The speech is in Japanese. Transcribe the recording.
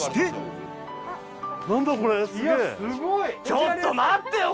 ちょっと待ってよ